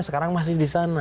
sekarang masih di sana